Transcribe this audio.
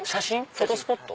フォトスポット？